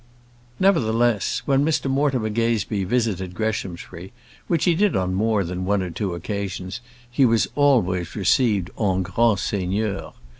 Nevertheless, when Mr Mortimer Gazebee visited Greshamsbury, which he did on more than one or two occasions, he was always received en grand seigneur.